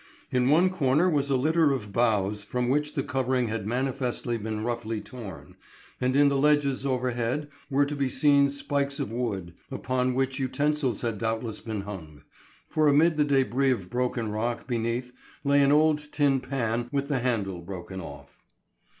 In one corner was a litter of boughs from which the covering had manifestly been roughly torn, and in the ledges overhead were to be seen spikes of wood, upon which utensils had doubtless been hung, for amid the débris of broken rock beneath lay an old tin pan with the handle broken off.